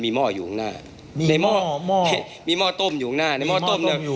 มีการที่จะพยายามติดศิลป์บ่นเจ้าพระงานนะครับ